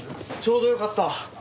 ちょうどよかった。